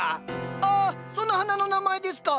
あっその花の名前ですか？